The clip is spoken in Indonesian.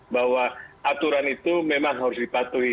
bahwa aturan itu memang harus dipatuhi